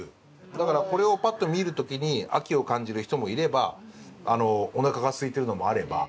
だからこれをパッと見る時に秋を感じる人もいればおなかがすいてるのもあれば。